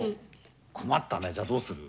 困ったね、じゃどうする？